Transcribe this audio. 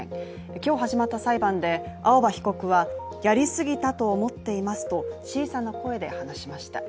今日、始まった裁判で青葉被告はやり過ぎたと思っていますと小さな声で話しました。